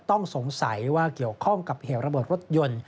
ต้องสงสัยว่าเกี่ยวข้องกับเหตุระเบิดรถยนต์